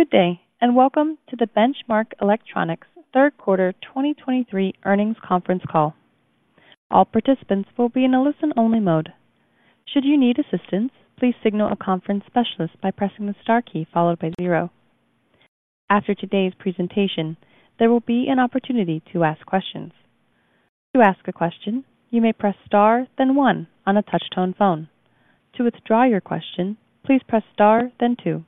Good day, and welcome to the Benchmark Electronics third quarter 2023 earnings conference call. All participants will be in a listen-only mode. Should you need assistance, please signal a conference specialist by pressing the star key followed by zero. After today's presentation, there will be an opportunity to ask questions. To ask a question, you may press star, then one on a touch-tone phone. To withdraw your question, please press star then two.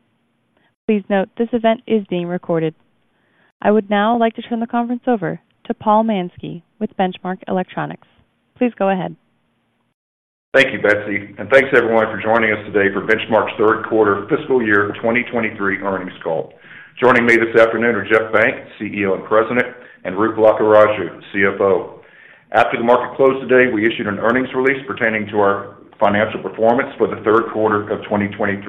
Please note, this event is being recorded. I would now like to turn the conference over to Paul Mansky with Benchmark Electronics. Please go ahead. Thank you, Betsy, and thanks, everyone, for joining us today for Benchmark's third quarter fiscal year 2023 earnings call. Joining me this afternoon are Jeff Benck, CEO and President, and Roop Lakkaraju, CFO. After the market closed today, we issued an earnings release pertaining to our financial performance for the third quarter of 2023,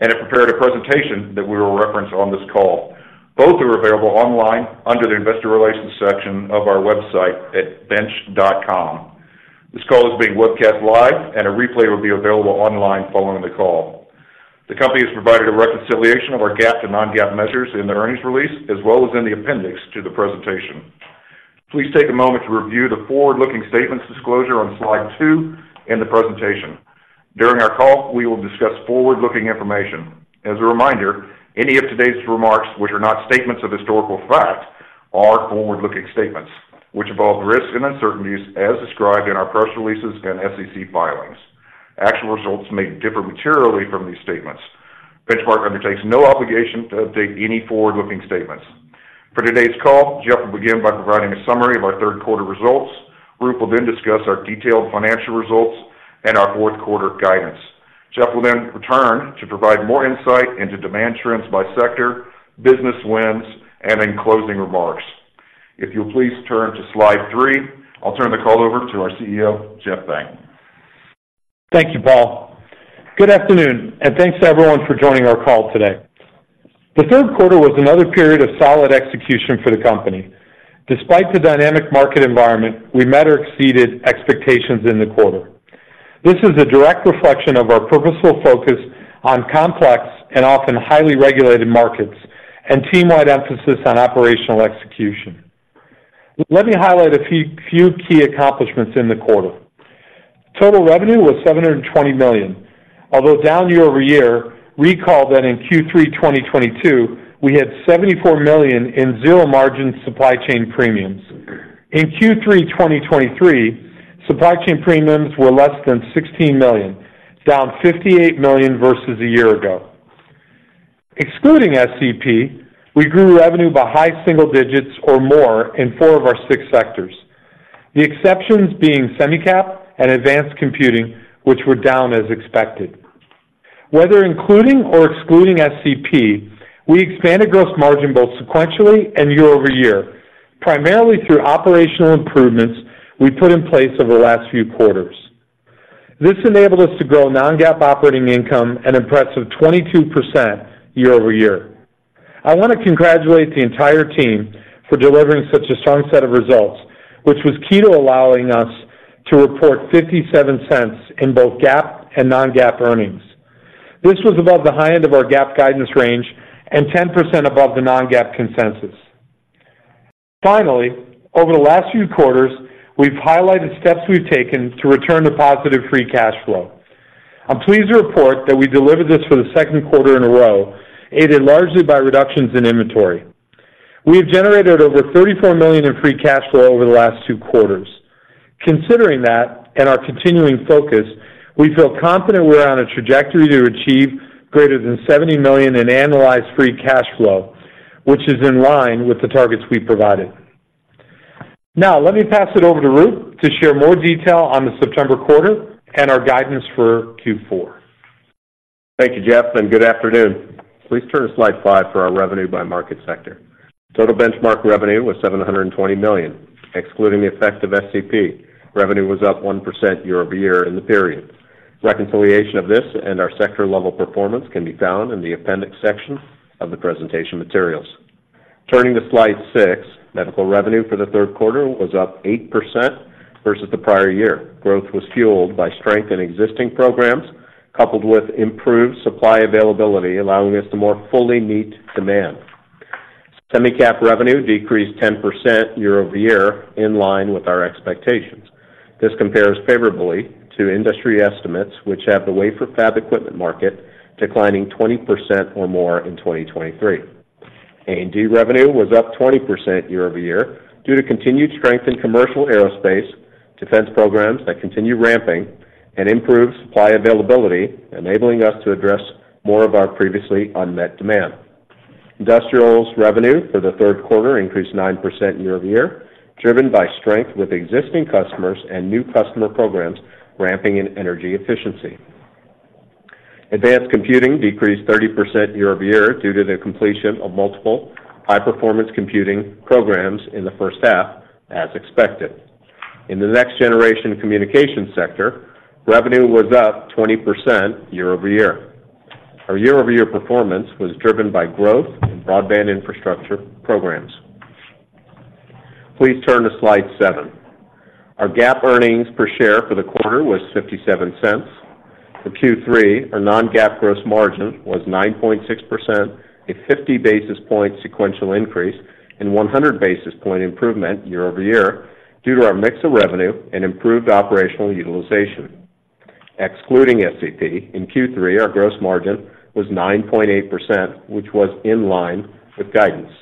and have prepared a presentation that we will reference on this call. Both are available online under the Investor Relations section of our website at bench.com. This call is being webcast live, and a replay will be available online following the call. The company has provided a reconciliation of our GAAP to non-GAAP measures in the earnings release, as well as in the appendix to the presentation. Please take a moment to review the forward-looking statements disclosure on slide 2 in the presentation. During our call, we will discuss forward-looking information. As a reminder, any of today's remarks, which are not statements of historical fact, are forward-looking statements, which involve risks and uncertainties as described in our press releases and SEC filings. Actual results may differ materially from these statements. Benchmark undertakes no obligation to update any forward-looking statements. For today's call, Jeff will begin by providing a summary of our third quarter results. Roop will then discuss our detailed financial results and our fourth quarter guidance. Jeff will then return to provide more insight into demand trends by sector, business wins, and in closing remarks. If you'll please turn to slide three, I'll turn the call over to our CEO, Jeff Benck. Thank you, Paul. Good afternoon, and thanks to everyone for joining our call today. The third quarter was another period of solid execution for the company. Despite the dynamic market environment, we met or exceeded expectations in the quarter. This is a direct reflection of our purposeful focus on complex and often highly regulated markets and team-wide emphasis on operational execution. Let me highlight a few key accomplishments in the quarter. Total revenue was $720 million. Although down year-over-year, recall that in Q3 2022, we had $74 million in zero-margin supply chain premiums. In Q3 2023, supply chain premiums were less than $16 million, down $58 million versus a year ago. Excluding SCP, we grew revenue by high single digits or more in four of our six sectors, the exceptions being Semicap and Advanced Computing, which were down as expected. Whether including or excluding SCP, we expanded gross margin both sequentially and year over year, primarily through operational improvements we put in place over the last few quarters. This enabled us to grow non-GAAP operating income an impressive 22% year over year. I want to congratulate the entire team for delivering such a strong set of results, which was key to allowing us to report $0.57 in both GAAP and non-GAAP earnings. This was above the high end of our GAAP guidance range and 10% above the non-GAAP consensus. Finally, over the last few quarters, we've highlighted steps we've taken to return to positive FCF. I'm pleased to report that we delivered this for the second quarter in a row, aided largely by reductions in inventory. We have generated over $34 million in FCF over the last two quarters. Considering that and our continuing focus, we feel confident we're on a trajectory to achieve greater than $70 million in annualized FCF, which is in line with the targets we provided. Now, let me pass it over to Roop to share more detail on the September quarter and our guidance for Q4. Thank you, Jeff, and good afternoon. Please turn to slide 5 for our revenue by market sector. Total Benchmark revenue was $720 million, excluding the effect of SCP. Revenue was up 1% year-over-year in the period. Reconciliation of this and our sector level performance can be found in the appendix section of the presentation materials. Turning to slide 6, medical revenue for the third quarter was up 8% versus the prior year. Growth was fueled by strength in existing programs, coupled with improved supply availability, allowing us to more fully meet demand. Semicap revenue decreased 10% year-over-year in line with our expectations. This compares favorably to industry estimates, which have the wafer fab equipment market declining 20% or more in 2023. A&D revenue was up 20% year-over-year due to continued strength in commercial aerospace, defense programs that continue ramping, and improved supply availability, enabling us to address more of our previously unmet demand. Industrial's revenue for the third quarter increased 9% year-over-year, driven by strength with existing customers and new customer programs ramping in energy efficiency. Advanced computing decreased 30% year-over-year due to the completion of multiple high-performance computing programs in the first half, as expected. In the Next-Generation Communication sector, revenue was up 20% year-over-year. Our year-over-year performance was driven by growth in broadband infrastructure programs. Please turn to Slide 7. Our GAAP earnings per share for the quarter was $0.57. For Q3, our non-GAAP gross margin was 9.6%, a 50 basis point sequential increase, and 100 basis point improvement year-over-year, due to our mix of revenue and improved operational utilization. Excluding SCP, in Q3, our gross margin was 9.8%, which was in line with guidance.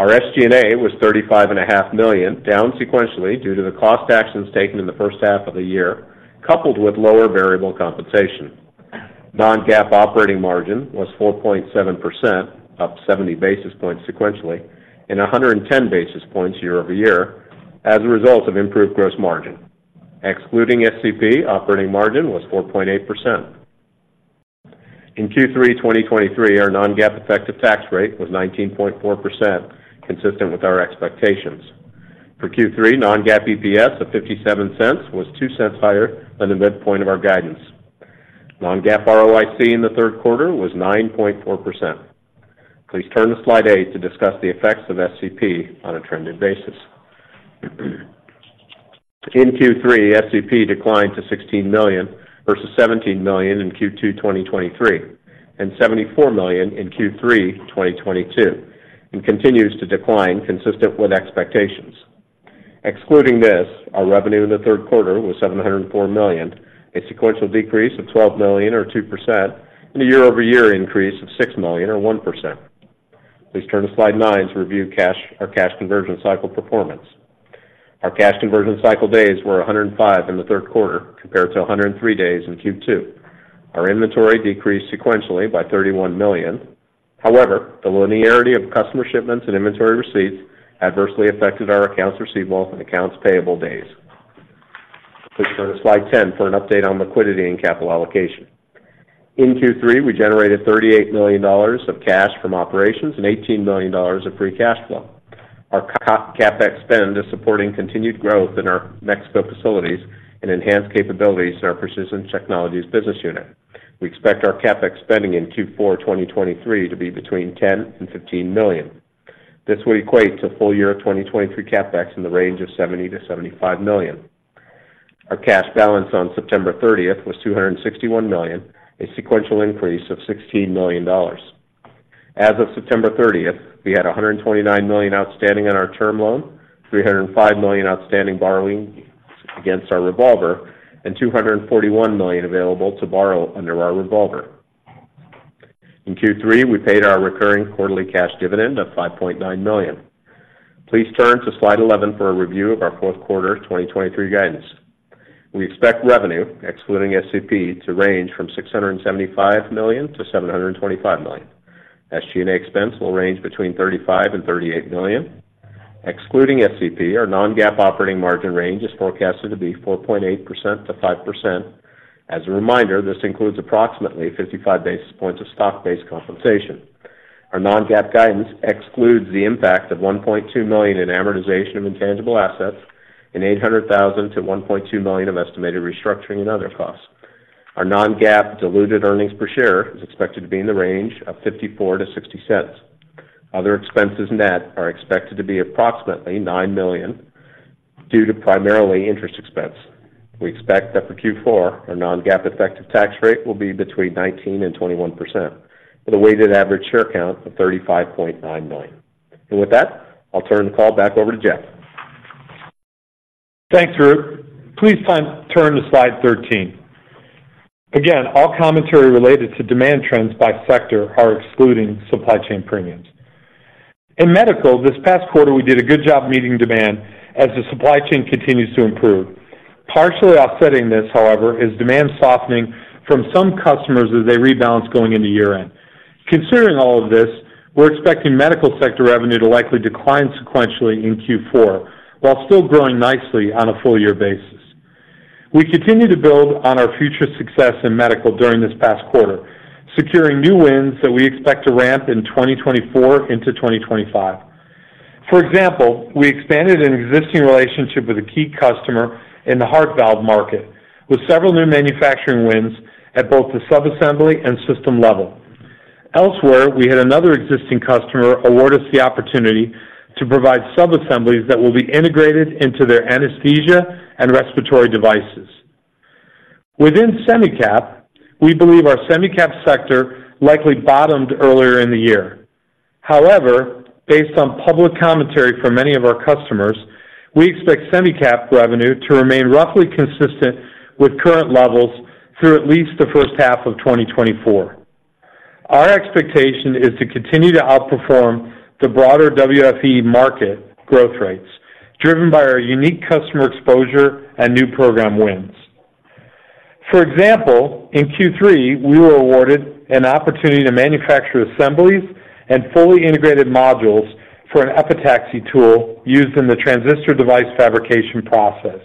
Our SG&A was $35.5 million, down sequentially due to the cost actions taken in the first half of the year, coupled with lower variable compensation. Non-GAAP operating margin was 4.7%, up 70 basis points sequentially, and 110 basis points year-over-year as a result of improved gross margin. Excluding SCP, operating margin was 4.8%. In Q3 2023, our non-GAAP effective tax rate was 19.4%, consistent with our expectations. For Q3, non-GAAP EPS of $0.57 to $0.02 higher than the midpoint of our guidance. Non-GAAP ROIC in the third quarter was 9.4%. Please turn to Slide 8 to discuss the effects of SCP on a trended basis. In Q3, SCP declined to $16 million, versus $17 million in Q2 2023, and $74 million in Q3 2022, and continues to decline consistent with expectations. Excluding this, our revenue in the third quarter was $704 million, a sequential decrease of $12 million to 2%, and a year-over-year increase of $6 million or 0.1%. Please turn to Slide 9 to review our cash conversion cycle performance. Our cash conversion cycle days were 105 in the third quarter, compared to 103 days in Q2. Our inventory decreased sequentially by $31 million. However, the linearity of customer shipments and inventory receipts adversely affected our accounts receivable and accounts payable days. Please turn to Slide 10 for an update on liquidity and capital allocation. In Q3, we generated $38 million of cash from operations and $18 million of FCF. Our CapEx spend is supporting continued growth in our Mexico facilities and enhanced capabilities in our Precision Technologies business unit. We expect our CapEx spending in Q4 2023 to be between $10 million and $15 million. This would equate to full year of 2023 CapEx in the range of $70 to $75 million. Our cash balance on September 30th was $261 million, a sequential increase of $16 million. As of September thirtieth, we had $129 million outstanding on our term loan, $305 million outstanding borrowing against our revolver, and $241 million available to borrow under our revolver. In Q3, we paid our recurring quarterly cash dividend of $5.9 million. Please turn to Slide 11 for a review of our fourth quarter 2023 guidance. We expect revenue, excluding SCP, to range from $675 million to $725 million. SG&A expense will range between $35 million and $38 million. Excluding SCP, our non-GAAP operating margin range is forecasted to be 4.8% to 5%. As a reminder, this includes approximately 55 basis points of stock-based compensation. Our non-GAAP guidance excludes the impact of $1.2 million in amortization of intangible assets and $800,000 to $1.2 million of estimated restructuring and other costs. Our non-GAAP diluted earnings per share is expected to be in the range of $0.54 to $0.60. Other expenses, net are expected to be approximately $9 million due to primarily interest expense. We expect that for Q4, our non-GAAP effective tax rate will be between 19% and 21%, with a weighted average share count of 35.9 million. With that, I'll turn the call back over to Jeff. Thanks, Roop. Please turn to Slide 13. Again, all commentary related to demand trends by sector are excluding supply chain premiums. In Medical, this past quarter, we did a good job meeting demand as the supply chain continues to improve. Partially offsetting this, however, is demand softening from some customers as they rebalance going into year-end. Considering all of this, we're expecting Medical sector revenue to likely decline sequentially in Q4, while still growing nicely on a full year basis. We continue to build on our future success in Medical during this past quarter, securing new wins that we expect to ramp in 2024 into 2025. For example, we expanded an existing relationship with a key customer in the heart valve market, with several new manufacturing wins at both the sub-assembly and system level. Elsewhere, we had another existing customer award us the opportunity to provide sub-assemblies that will be integrated into their anesthesia and respiratory devices. Within Semicap, we believe our Semicap sector likely bottomed earlier in the year. However, based on public commentary from many of our customers, we expect Semicap revenue to remain roughly consistent with current levels through at least the first half of 2024. Our expectation is to continue to outperform the broader WFE market growth rates, driven by our unique customer exposure and new program wins. For example, in Q3, we were awarded an opportunity to manufacture assemblies and fully integrated modules for an epitaxy tool used in the transistor device fabrication process.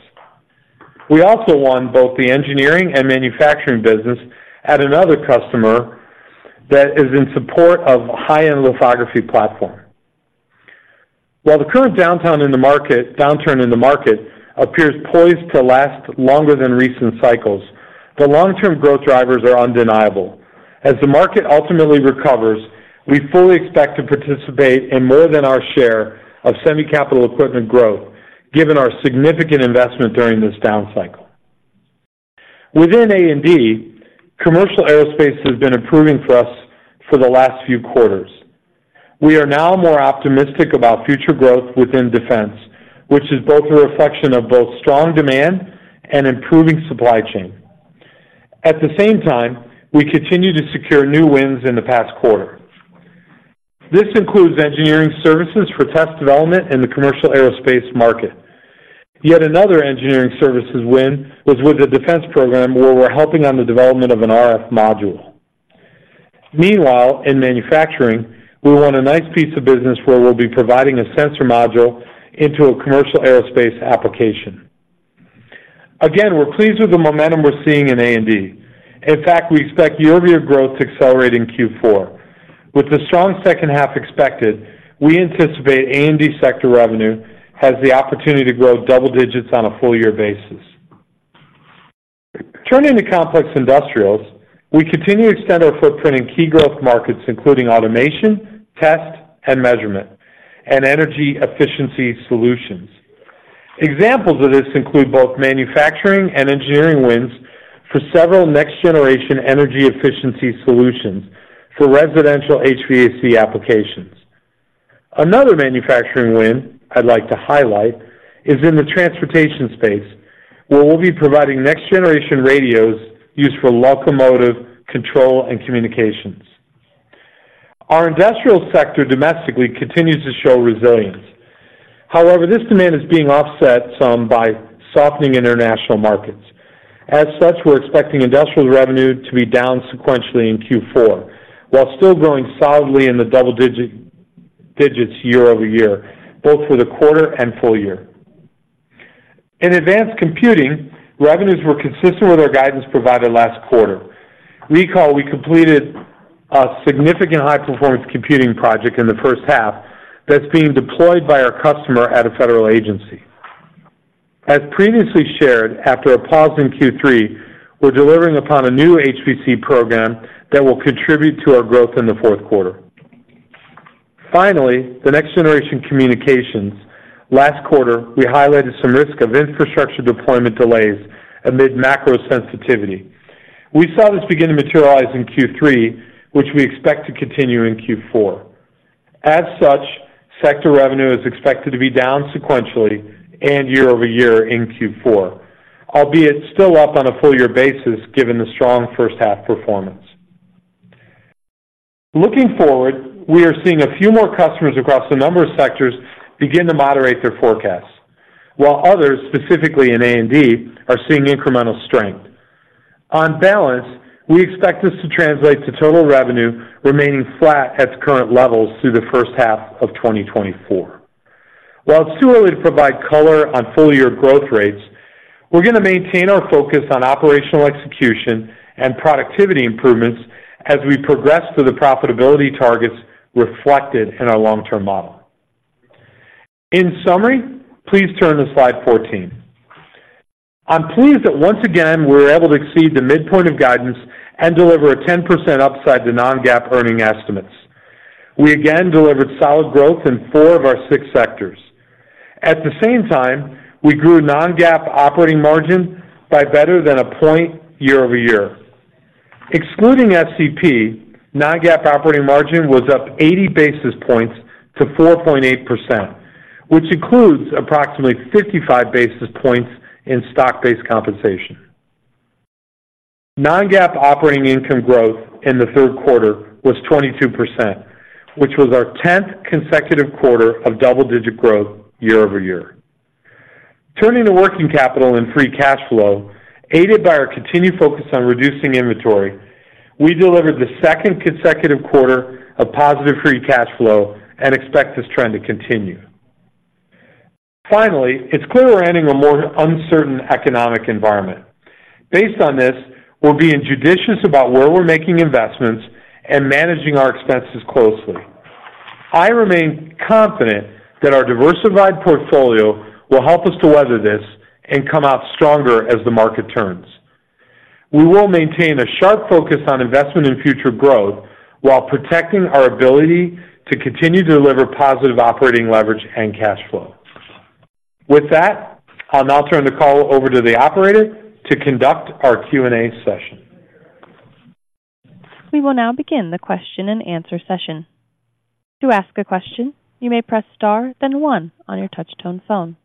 We also won both the engineering and manufacturing business at another customer that is in support of a high-end lithography platform. While the current downturn in the market appears poised to last longer than recent cycles, the long-term growth drivers are undeniable. As the market ultimately recovers, we fully expect to participate in more than our share of semi capital equipment growth, given our significant investment during this down cycle. Within A&D, commercial aerospace has been improving for us for the last few quarters. We are now more optimistic about future growth within defense, which is both a reflection of strong demand and improving supply chain. At the same time, we continue to secure new wins in the past quarter. This includes engineering services for test development in the commercial aerospace market. Yet another engineering services win was with a defense program, where we're helping on the development of an RF module. Meanwhile, in manufacturing, we won a nice piece of business where we'll be providing a sensor module into a commercial aerospace application. Again, we're pleased with the momentum we're seeing in A&D. In fact, we expect year-over-year growth to accelerate in Q4. With the strong second half expected, we anticipate A&D sector revenue has the opportunity to grow double digits on a full year basis. Turning to complex industrials, we continue to extend our footprint in key growth markets, including automation, test and measurement, and energy efficiency solutions. Examples of this include both manufacturing and engineering wins for several next-generation energy efficiency solutions for residential HVAC applications. Another manufacturing win I'd like to highlight is in the transportation space, where we'll be providing next-generation radios used for locomotive control and communications. Our industrial sector domestically continues to show resilience. However, this demand is being offset some by softening international markets. As such, we're expecting industrial revenue to be down sequentially in Q4, while still growing solidly in the double digits year over year, both for the quarter and full year. In Advanced Computing, revenues were consistent with our guidance provided last quarter. Recall, we completed a significant high-performance computing project in the first half that's being deployed by our customer at a federal agency. As previously shared, after a pause in Q3, we're delivering upon a new HPC program that will contribute to our growth in the fourth quarter. Finally, Next-Generation Communications. Last quarter, we highlighted some risk of infrastructure deployment delays amid macro sensitivity. We saw this begin to materialize in Q3, which we expect to continue in Q4. As such, sector revenue is expected to be down sequentially and year-over-year in Q4, albeit still up on a full year basis, given the strong first half performance. Looking forward, we are seeing a few more customers across a number of sectors begin to moderate their forecasts, while others, specifically in A&D, are seeing incremental strength. On balance, we expect this to translate to total revenue remaining flat at current levels through the first half of 2024. While it's too early to provide color on full year growth rates, we're going to maintain our focus on operational execution and productivity improvements as we progress to the profitability targets reflected in our long-term model. In summary, please turn to slide 14. I'm pleased that once again, we were able to exceed the midpoint of guidance and deliver a 10% upside to non-GAAP earnings estimates. We again delivered solid growth in four of our six sectors. At the same time, we grew Non-GAAP operating margin by better than a point year-over-year. Excluding FCF, Non-GAAP operating margin was up 80 basis points to 4.8%, which includes approximately 55 basis points in stock-based compensation. Non-GAAP operating income growth in the third quarter was 22%, which was our 10th consecutive quarter of double-digit growth year-over-year. Turning to working capital and FCF Aided by our continued focus on reducing inventory, we delivered the 2nd consecutive quarter of positive FCF and expect this trend to continue. Finally, it's clear we're entering a more uncertain economic environment. Based on this, we'll be judicious about where we're making investments and managing our expenses closely. I remain confident that our diversified portfolio will help us to weather this and come out stronger as the market turns. We will maintain a sharp focus on investment and future growth while protecting our ability to continue to deliver positive operating leverage and cash flow. With that, I'll now turn the call over to the operator to conduct our Q&A session. We will now begin the question-and-answer session. To ask a question, you may press star then one on your touch-tone phone.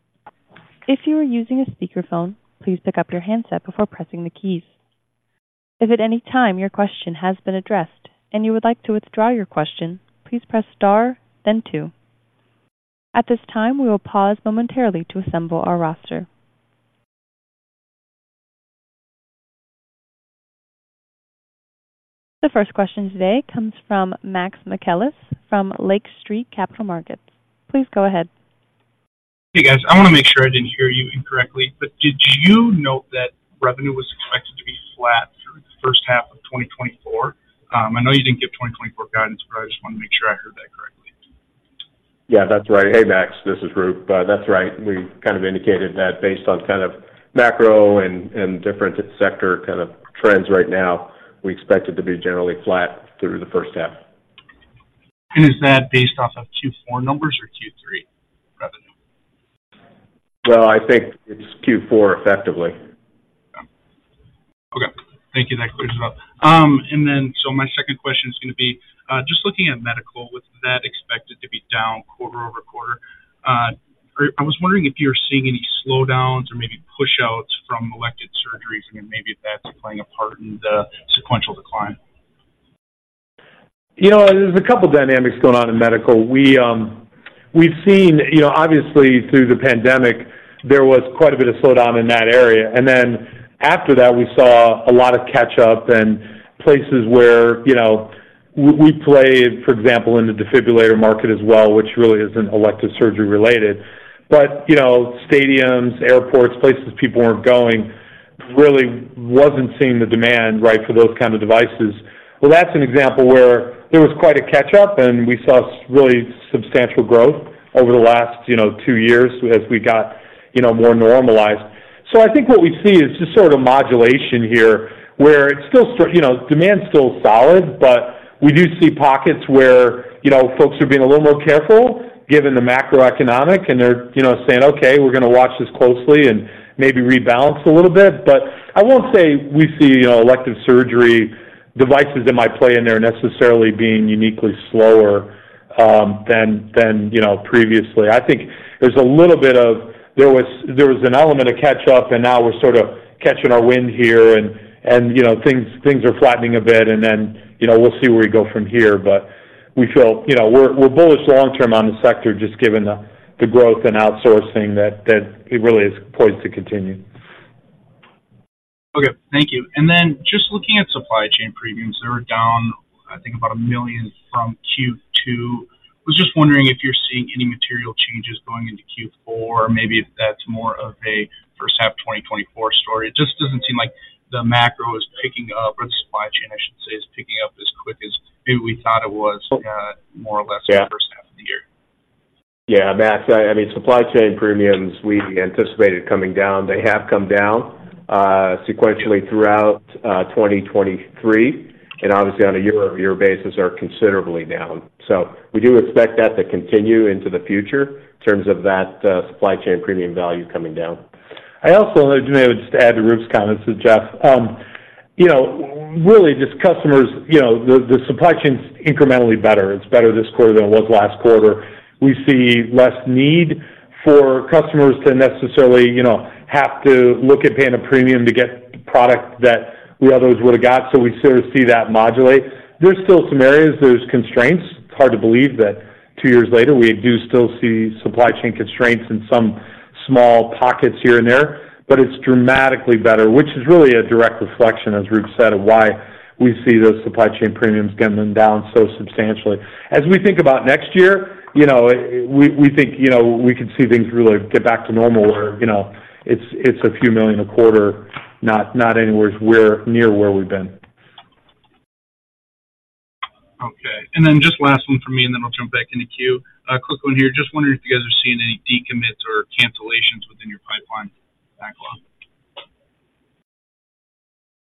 If you are using a speakerphone, please pick up your handset before pressing the keys. If at any time your question has been addressed and you would like to withdraw your question, please press star then two. At this time, we will pause momentarily to assemble our roster. The first question today comes from Max Michaelis from Lake Street Capital Markets. Please go ahead. Hey, guys, I want to make sure I didn't hear you incorrectly, but did you note that revenue was expected to be flat through the first half of 2024? I know you didn't give 2024 guidance, but I just wanted to make sure I heard that.... Yeah, that's right. Hey, Max, this is Roop. That's right. We kind of indicated that based on kind of macro and different sector kind of trends right now, we expect it to be generally flat through the first half. Is that based off of Q4 numbers or Q3 revenue? Well, I think it's Q4, effectively. Okay. Thank you. That clears it up. And then, so my second question is gonna be, just looking at Medical, with that expected to be down quarter-over-quarter, I was wondering if you're seeing any slowdowns or maybe pushouts from elective surgeries, and then maybe if that's playing a part in the sequential decline? You know, there's a couple dynamics going on in Medical. We've seen, you know, obviously, through the pandemic, there was quite a bit of slowdown in that area. And then after that, we saw a lot of catch up and places where, you know, we play, for example, in the defibrillator market as well, which really isn't elective surgery related. But, you know, stadiums, airports, places people weren't going, really wasn't seeing the demand, right, for those kind of devices. Well, that's an example where there was quite a catch up, and we saw really substantial growth over the last, you know, two years as we got, you know, more normalized. So I think what we see is just sort of modulation here, where it's still you know, demand's still solid, but we do see pockets where, you know, folks are being a little more careful given the macroeconomic, and they're, you know, saying, "Okay, we're gonna watch this closely and maybe rebalance a little bit." But I won't say we see, you know, elective surgery devices that might play in there necessarily being uniquely slower than, you know, previously. I think there's a little bit of... There was an element of catch up, and now we're sort of catching our wind here and, you know, things are flattening a bit, and then, you know, we'll see where we go from here. But we feel, you know, we're bullish long term on the sector, just given the growth and outsourcing, that it really is poised to continue. Okay, thank you. And then just looking at supply chain premiums, they were down, I think, about $1 million from Q2. Was just wondering if you're seeing any material changes going into Q4, or maybe if that's more of a first half 2024 story. It just doesn't seem like the macro is picking up, or the supply chain, I should say, is picking up as quick as maybe we thought it was, more or less- Yeah the first half of the year. Yeah, Max, I mean, supply chain premiums, we anticipated coming down. They have come down, sequentially throughout, 2023, and obviously on a year-over-year basis, are considerably down. So we do expect that to continue into the future in terms of that, supply chain premium value coming down. I also, let me just add to Roop's comments to Jeff. You know, really, just customers, you know, the supply chain's incrementally better. It's better this quarter than it was last quarter. We see less need for customers to necessarily, you know, have to look at paying a premium to get product that we otherwise would've got, so we sort of see that modulate. There's still some areas, there's constraints. It's hard to believe that two years later, we do still see supply chain constraints in some small pockets here and there. But it's dramatically better, which is really a direct reflection, as Roop said, of why we see those supply chain premiums coming down so substantially. As we think about next year, you know, we think, you know, we could see things really get back to normal where, you know, it's a few million a quarter, not anywhere near where we've been. Okay. And then just last one for me, and then I'll jump back in the queue. A quick one here. Just wondering if you guys are seeing any decommits or cancellations within your pipeline backlog?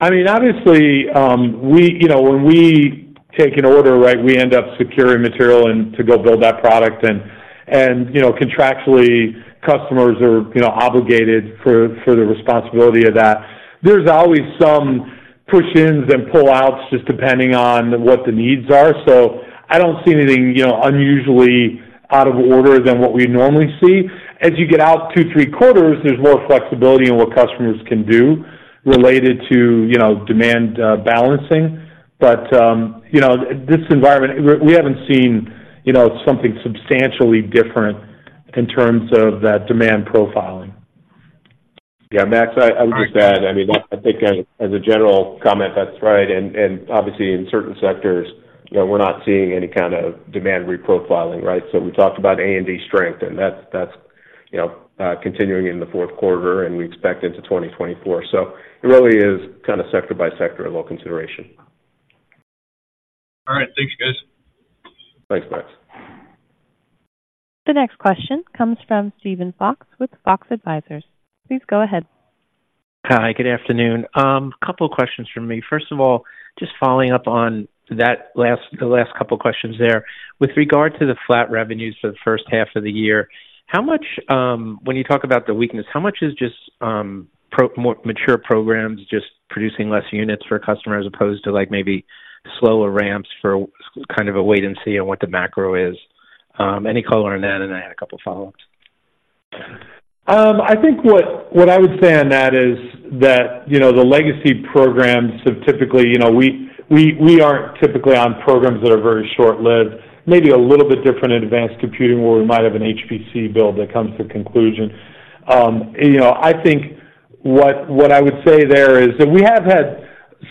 I mean, obviously, we, you know, when we take an order, right, we end up securing material and to go build that product. And, and, you know, contractually, customers are, you know, obligated for, for the responsibility of that. There's always some push-ins and pull-outs, just depending on what the needs are. So I don't see anything, you know, unusually out of order than what we normally see. As you get out 2, 3 quarters, there's more flexibility in what customers can do related to, you know, demand, balancing. But, you know, this environment, we, we haven't seen, you know, something substantially different in terms of that demand profiling. Yeah, Max, I, I would just add, I mean, I think as, as a general comment, that's right. And, and obviously, in certain sectors, you know, we're not seeing any kind of demand reprofiling, right? So we talked about A&D strength, and that's, that's, you know, continuing in the fourth quarter, and we expect into 2024. So it really is kind of sector by sector of all consideration. All right. Thanks, guys. Thanks, Max. The next question comes from Steven Fox with Fox Advisors. Please go ahead. Hi, good afternoon. Couple questions from me. First of all, just following up on the last couple questions there. With regard to the flat revenues for the first half of the year, how much, when you talk about the weakness, how much is just, more mature programs just producing less units for a customer, as opposed to, like, maybe slower ramps for kind of a wait and see on what the macro is? Any color on that, and I had a couple follow-ups. I think what, what I would say on that is that, you know, the legacy programs have typically, you know, we, we, we aren't typically on programs that are very short-lived. Maybe a little bit different in Advanced Computing, where we might have an HPC build that comes to conclusion. You know, I think what, what I would say there is that we have had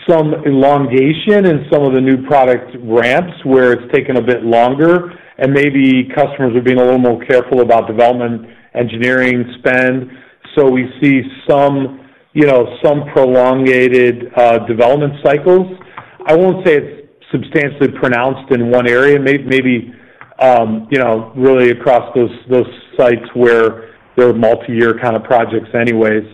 some elongation in some of the new product ramps, where it's taken a bit longer, and maybe customers are being a little more careful about development, engineering, spend. So we see some, you know, some prolongated development cycles. I won't say it's substantially pronounced in one area. Maybe, you know, really across those, those sites where they're multi-year kind of projects anyways.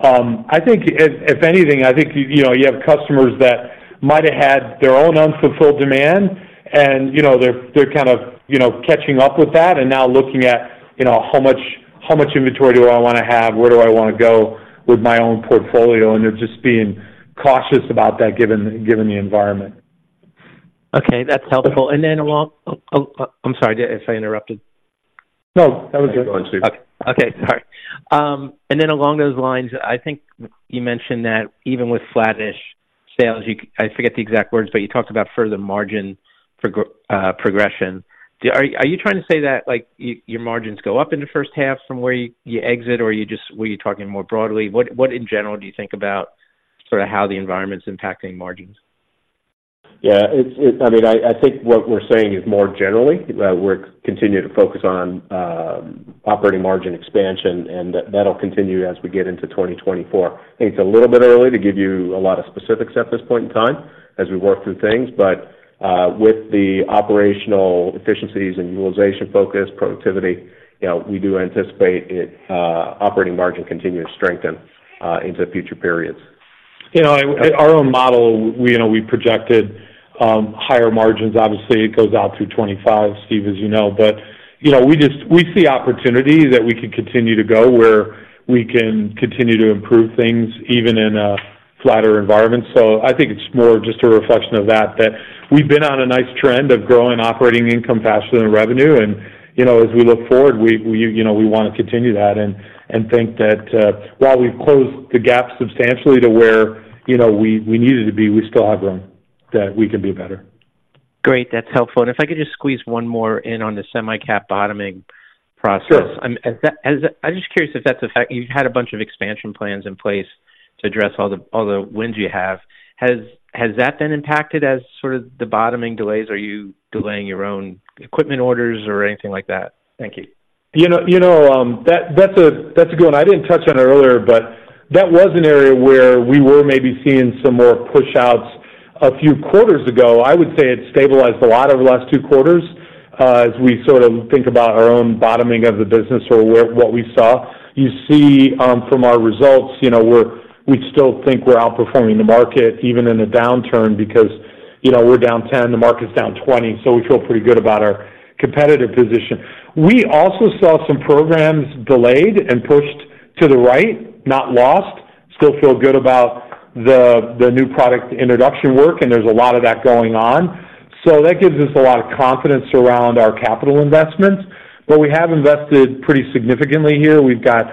I think if anything, I think, you know, you have customers that might have had their own unfulfilled demand, and, you know, they're kind of, you know, catching up with that and now looking at, you know, how much inventory do I wanna have? Where do I wanna go with my own portfolio? And they're just being cautious about that, given the environment. Okay, that's helpful. And then along... I'm sorry if I interrupted. No, that was good. Go on, Steve. Okay. Okay, sorry. And then along those lines, I think you mentioned that even with flattish sales, you—I forget the exact words, but you talked about further margin progression. Do you—are you trying to say that, like, your margins go up in the first half from where you exit, or you just—were you talking more broadly? What, in general, do you think about sort of how the environment's impacting margins? Yeah, it's— I mean, I think what we're saying is more generally, we're continue to focus on operating margin expansion, and that'll continue as we get into 2024. I think it's a little bit early to give you a lot of specifics at this point in time as we work through things. But, with the operational efficiencies and utilization focus, productivity, you know, we do anticipate it, operating margin continue to strengthen, into future periods. You know, our own model, we, you know, we projected higher margins. Obviously, it goes out through 2025, Steve, as you know. But, you know, we just- we see opportunity that we can continue to go, where we can continue to improve things, even in a flatter environment. So I think it's more just a reflection of that, that we've been on a nice trend of growing operating income faster than revenue. And, you know, as we look forward, we, we, you know, we wanna continue that and, and think that, while we've closed the gap substantially to where, you know, we, we needed to be, we still have room, that we can do better. Great. That's helpful. And if I could just squeeze one more in on the Semicap bottoming process. Sure. As that, I'm just curious if that's a fact. You've had a bunch of expansion plans in place to address all the wins you have. Has that been impacted as sort of the bottoming delays? Are you delaying your own equipment orders or anything like that? Thank you. You know, you know, that, that's a, that's a good one. I didn't touch on it earlier, but that was an area where we were maybe seeing some more push-outs a few quarters ago. I would say it's stabilized a lot over the last two quarters, as we sort of think about our own bottoming of the business or where-- what we saw. You see, from our results, you know, we're-- we still think we're outperforming the market even in a downturn, because, you know, we're down 10, the market's down 20, so we feel pretty good about our competitive position. We also saw some programs delayed and pushed to the right, not lost. Still feel good about the, the new product introduction work, and there's a lot of that going on. So that gives us a lot of confidence around our capital investments. But we have invested pretty significantly here. We've got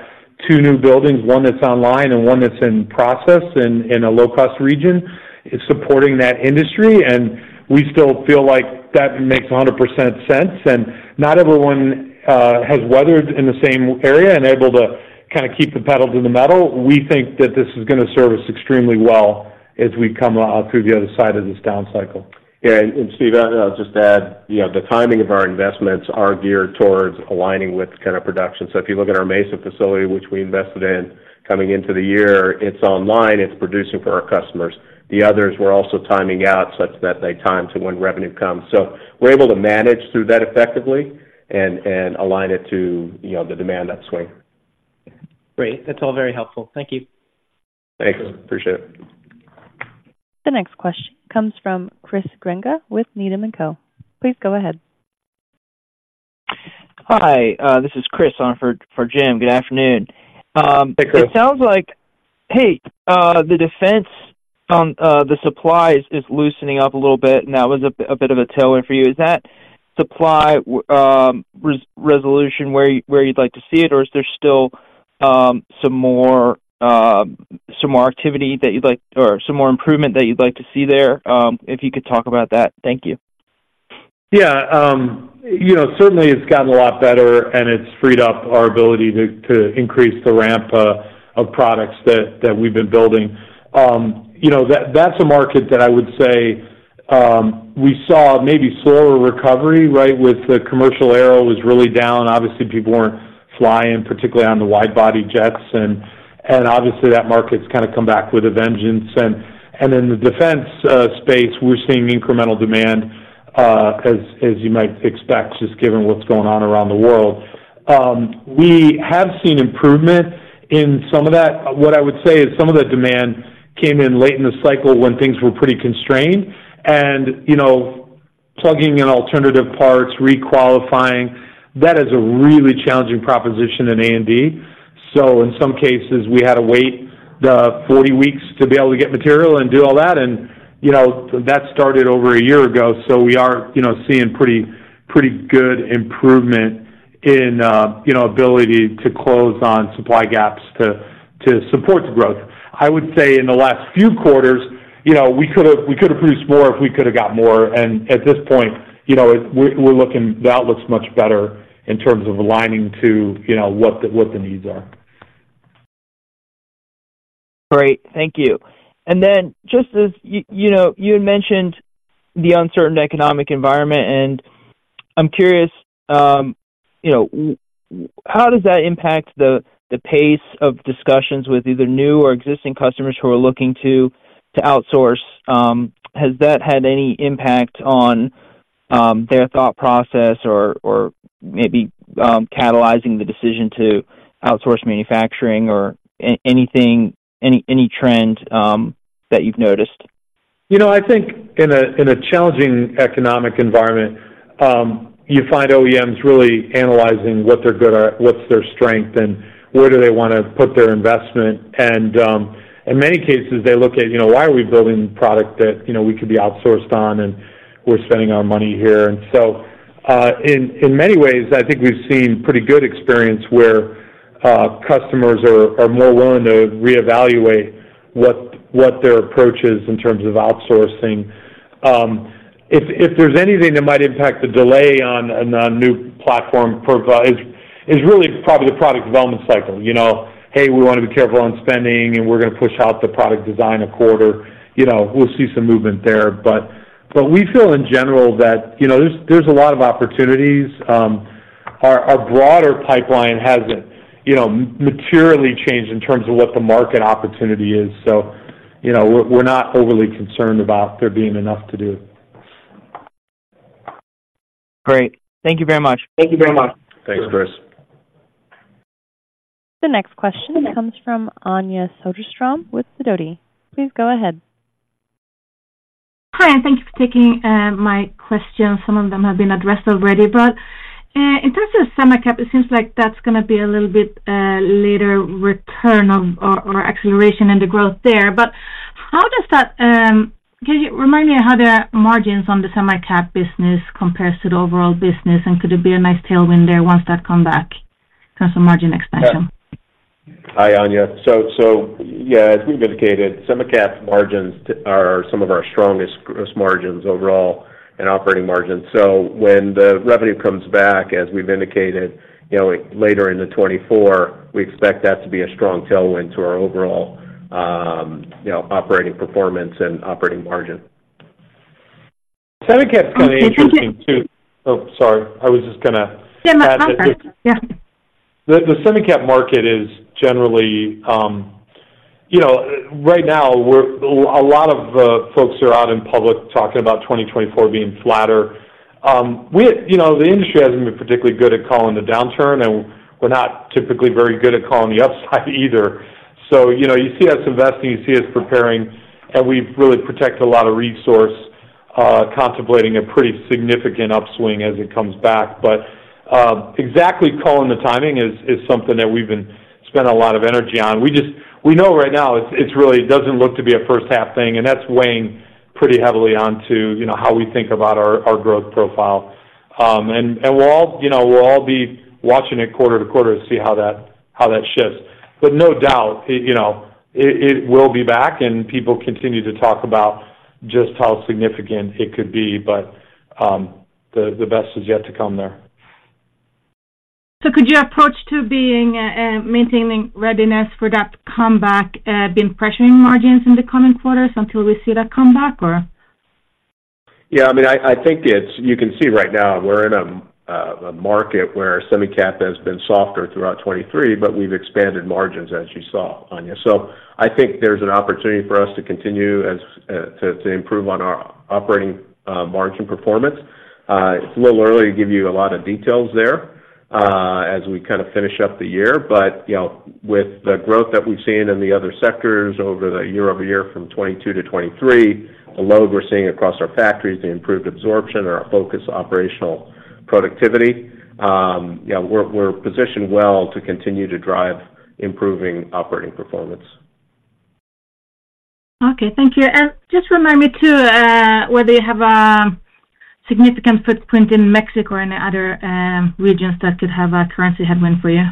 two new buildings, one that's online and one that's in process in, in a low-cost region. It's supporting that industry, and we still feel like that makes 100% sense. And not everyone has weathered in the same area and able to kinda keep the pedal to the metal. We think that this is gonna serve us extremely well as we come out through the other side of this down cycle. Yeah, and Steve, I'll just add, you know, the timing of our investments are geared towards aligning with kind of production. So if you look at our Mason facility, which we invested in coming into the year, it's online, it's producing for our customers. The others were also timing out such that they time to when revenue comes. So we're able to manage through that effectively and align it to, you know, the demand that swing. Great. That's all very helpful. Thank you. Thanks. Appreciate it. The next question comes from Chris Grenga with Needham & Co. Please go ahead. Hi, this is Chris on for Jim. Good afternoon. Hey, Chris. It sounds like the dependence on the supplies is loosening up a little bit, and that was a bit of a tailwind for you. Is that supply resolution where you'd like to see it? Or is there still some more activity that you'd like or some more improvement that you'd like to see there? If you could talk about that. Thank you. Yeah, you know, certainly it's gotten a lot better, and it's freed up our ability to increase the ramp of products that we've been building. You know, that's a market that I would say we saw maybe slower recovery, right? With the commercial air was really down. Obviously, people weren't flying, particularly on the wide body jets, and obviously, that market's kind of come back with a vengeance. And in the defense space, we're seeing incremental demand, as you might expect, just given what's going on around the world. We have seen improvement in some of that. What I would say is some of the demand came in late in the cycle when things were pretty constrained and, you know, plugging in alternative parts, re-qualifying, that is a really challenging proposition in A&D. So in some cases, we had to wait the 40 weeks to be able to get material and do all that. And, you know, that started over a year ago, so we are, you know, seeing pretty, pretty good improvement in, you know, ability to close on supply gaps to, to support the growth. I would say in the last few quarters, you know, we could have, we could have produced more if we could have got more, and at this point, you know, it, we're, we're looking. That looks much better in terms of aligning to, you know, what the, what the needs are. Great. Thank you. And then just as you, you know, you had mentioned the uncertain economic environment, and I'm curious, you know, how does that impact the pace of discussions with either new or existing customers who are looking to outsource? Has that had any impact on their thought process or maybe catalyzing the decision to outsource manufacturing or anything, any trends that you've noticed? You know, I think in a, in a challenging economic environment, you find OEMs really analyzing what they're good at, what's their strength, and where do they wanna put their investment. And, in many cases, they look at, you know, why are we building product that, you know, we could be outsourced on, and we're spending our money here? And so, in, in many ways, I think we've seen pretty good experience where, customers are, are more willing to reevaluate what, what their approach is in terms of outsourcing. If, if there's anything that might impact the delay on, on a new platform for, is, is really probably the product development cycle. You know, hey, we wanna be careful on spending, and we're gonna push out the product design a quarter. You know, we'll see some movement there. But we feel in general that, you know, there's a lot of opportunities. Our broader pipeline hasn't, you know, materially changed in terms of what the market opportunity is. So, you know, we're not overly concerned about there being enough to do. Great. Thank you very much. Thank you very much. Thanks, Chris. The next question comes from Anja Soderstrom with Sidoti. Please go ahead. Hi, and thank you for taking my question. Some of them have been addressed already, but in terms of Semicap, it seems like that's gonna be a little bit later return of or, or acceleration in the growth there. But how does that... Can you remind me how the margins on the Semicap business compares to the overall business, and could it be a nice tailwind there once that come back? In terms of margin expansion. Hi, Anya. So, yeah, as we've indicated, semi cap margins are some of our strongest growth margins overall and operating margins. So when the revenue comes back, as we've indicated, you know, later in 2024, we expect that to be a strong tailwind to our overall, you know, operating performance and operating margin. Semi cap is kind of interesting too- So could you- Oh, sorry. I was just gonna- Yeah, my cap, yeah. The Semicap market is generally, you know, right now, we're – a lot of folks are out in public talking about 2024 being flatter. We, you know, the industry hasn't been particularly good at calling the downturn, and we're not typically very good at calling the upside either. So, you know, you see us investing, you see us preparing, and we've really protected a lot of resource, contemplating a pretty significant upswing as it comes back. But, exactly calling the timing is something that we've been spent a lot of energy on. We just – we know right now, it's really doesn't look to be a first-half thing, and that's weighing pretty heavily on to, you know, how we think about our growth profile. And we'll all, you know, we'll all be watching it quarter to quarter to see how that shifts. But no doubt, you know, it will be back, and people continue to talk about just how significant it could be, but the best is yet to come there. Could your approach to maintaining readiness for that comeback be pressuring margins in the coming quarters until we see that comeback, or? Yeah, I mean, I, I think it's—you can see right now, we're in a, a market where Semicap has been softer throughout 2023, but we've expanded margins, as you saw, Anja. So I think there's an opportunity for us to continue as, to, to improve on our operating, margin performance. It's a little early to give you a lot of details there, as we kind of finish up the year. But, you know, with the growth that we've seen in the other sectors over the year-over-year from 2022 to 2023, the load we're seeing across our factories, the improved absorption or our focus operational productivity, yeah, we're, we're positioned well to continue to drive improving operating performance. Okay, thank you. And just remind me, too, whether you have a significant footprint in Mexico or any other regions that could have a currency headwind for you?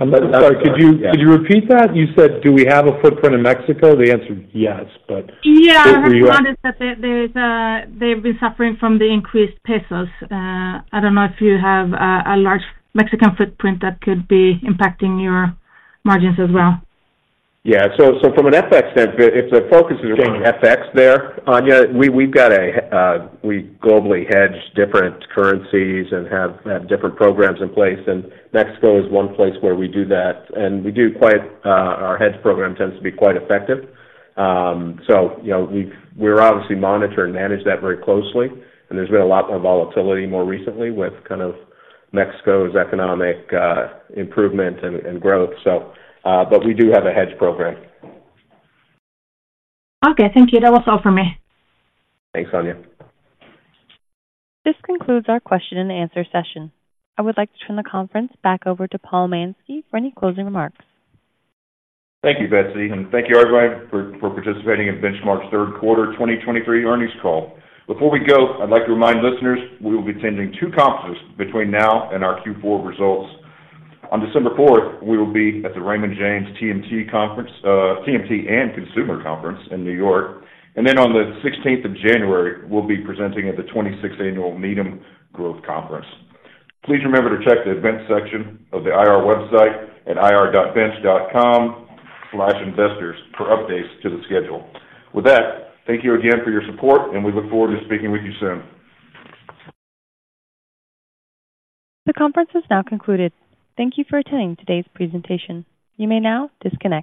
I'm sorry, could you repeat that? You said, do we have a footprint in Mexico? The answer is yes, but- Yeah, I have noticed that they've been suffering from the increased pesos. I don't know if you have a large Mexican footprint that could be impacting your margins as well. Yeah, so from an FX standpoint, if the focus is on FX there, Anja, we, we've got we globally hedge different currencies and have different programs in place, and Mexico is one place where we do that, and we do quite our hedge program tends to be quite effective. So, you know, we've obviously monitor and manage that very closely, and there's been a lot more volatility more recently with kind of Mexico's economic improvement and growth, so but we do have a hedge program. Okay, thank you. That was all for me. Thanks, Anja. This concludes our question and answer session. I would like to turn the conference back over to Paul Mansky for any closing remarks. Thank you, Betsy, and thank you, everybody, for participating in Benchmark's third quarter 2023 earnings call. Before we go, I'd like to remind listeners we will be attending two conferences between now and our Q4 results. On December fourth, we will be at the Raymond James TMT and Consumer Conference in New York. And then on the January 16th, we'll be presenting at the 26th Annual Needham Growth Conference. Please remember to check the events section of the IR website at ir.bench.com/investors for updates to the schedule. With that, thank you again for your support, and we look forward to speaking with you soon. The conference is now concluded. Thank you for attending today's presentation. You may now disconnect.